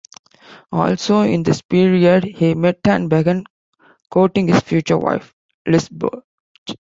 Also in this period, he met and began courting his future wife, Lise Bloch.